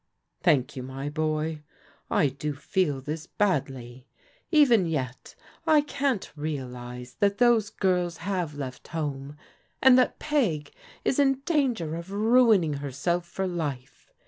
"Thank you, my boy. I do feel this badly. Even yet I can't realize that those girls have left home, and that Peg is in danger of ruining herself for life.